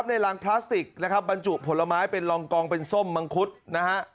ในรังพลาสติกนะครับบรรจุผลไม้เป็นรองกองเป็นส้มมังคุดนะฮะ